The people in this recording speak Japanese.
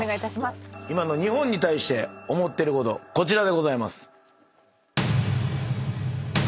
今の日本に対して思ってることこちらでございます。